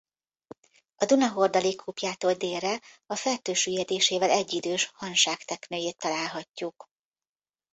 A Duna hordalékkúpjától délre a Fertő süllyedésével egyidős Hanság teknőjét találhatjuk.